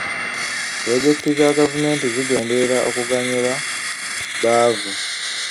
Pulojekiti za gavumenti zigenderera kuganyulwa baavu.